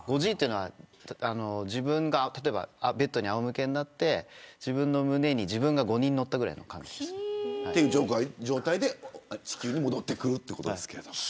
５Ｇっていうのは、自分が例えばベッドにあおむけになって自分の胸に、自分が５人乗ったぐらいの感覚です。という状態で地球に戻ってくるということですけれども。